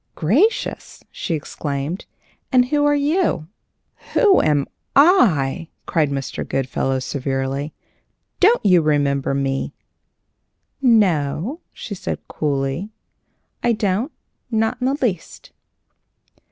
"Gracious!" she exclaimed. "And who are you?" "Who am I?" cried Mr. Goodfellow, severely. "Don't you remember me?" "No," she said, coolly; "I don't, not in the least."